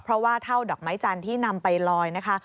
เพราะว่าเท่าดอกไม้จันทร์ที่นำไปลอยนะคะ